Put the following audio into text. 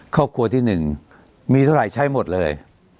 ครอบครัวที่๑มีเท่าไหร่ใช้หมดเลย